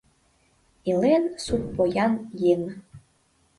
Илен сут поян еҥ.